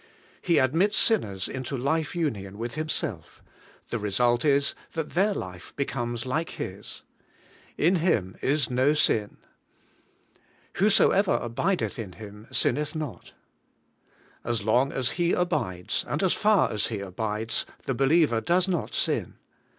He admits sinners into life union with Himself; the result is, that their life becomes like His. 'In Him is no sin. Whosoever abideth m Him sinneth not. ' As long as he abides, and as far as he abides, the be liever does not sin.